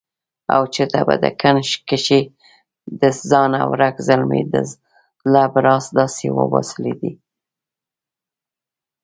او چرته په دکن کښې دځانه ورک زلمي دزړه بړاس داسې وباسلے دے